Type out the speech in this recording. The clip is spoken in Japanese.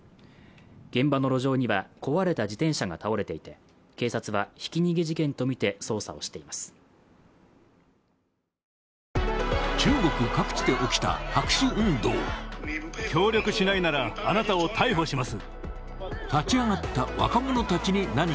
現場の路上には壊れた自転車が倒れていて警察はひき逃げ事件とみて捜査をしています